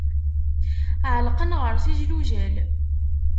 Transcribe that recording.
Ɛelqen ɣer-s ijlujal.